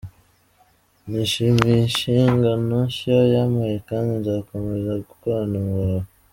Nishimiye inshingano nshya yampaye kandi Nzakomeza gukorana umurava.